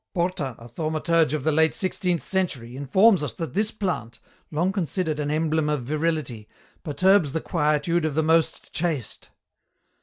Porta, a thaumaturge of the late sixteenth century, informs us that this plant, long considered an emblem of virility, perturbs the quietude of the most chaste."